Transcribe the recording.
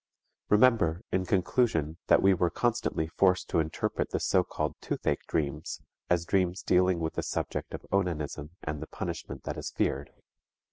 Remember, in conclusion, that we were constantly forced to interpret the so called tooth ache dreams as dreams dealing with the subject of onanism and the punishment that is feared.